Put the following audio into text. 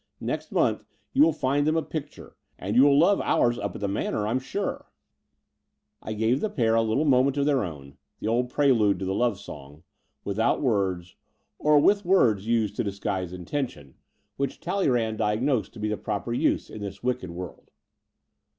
Next month you will find them a pic ture; and you will love ours up at the Manor, I'm sure." I gave the pair a little moment of their own, the old prelude to the love song — ^without words ; or with words used to disguise intention, which Between London and Clymping 153 Talleyrand diagnosed to be their proper use in this wicked world.